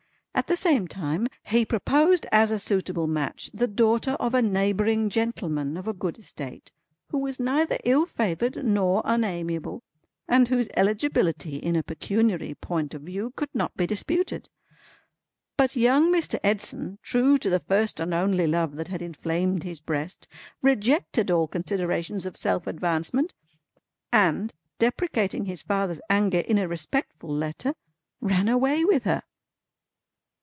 At the same time, he proposed as a suitable match the daughter of a neighbouring gentleman of a good estate, who was neither ill favoured nor unamiable, and whose eligibility in a pecuniary point of view could not be disputed. But young Mr. Edson, true to the first and only love that had inflamed his breast, rejected all considerations of self advancement, and, deprecating his father's anger in a respectful letter, ran away with her."